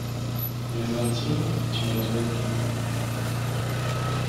Mesarthim est une étoile double.